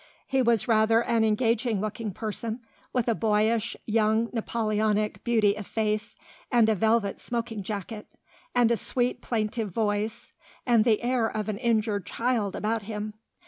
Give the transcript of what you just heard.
He was rather an engaging looking person, with a boyish, young Napoleonic beauty of face and a velvet smoking jacket, and a sweet, plaintive voice, and the air of an injured child about him.